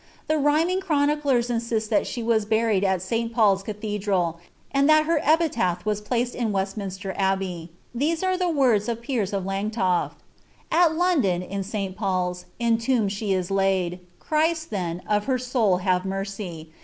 The rhyming chroniclers insist that she was Su PauPs cathedra], and that her epitaph was placed in West bbey. These are the words of Piers of Langtoft :—At London, in St, Paul's, in tomb she is laid, Christ, then, of her soul have mercie.